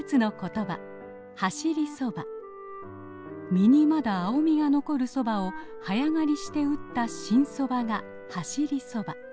実にまだ青みが残るソバを早刈りして打った新ソバが走り蕎麦。